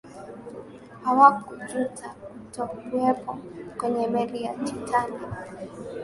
hawakujuta kutokuwepo kwenye meli ya titanic